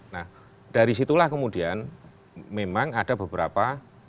nah dari situlah kemudian memang ada beberapa